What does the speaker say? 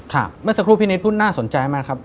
เมื่อสักครู่พินิศพูดน่าสนใจไหมครับ